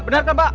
bener kan pak